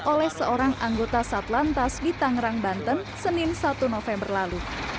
oleh seorang anggota satlantas di tangerang banten senin satu november lalu